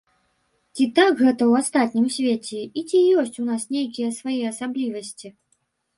Ці так гэта ў астатнім свеце, і ці ёсць у нас нейкія свае асаблівасці?